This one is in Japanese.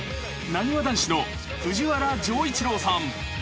［なにわ男子の藤原丈一郎さん］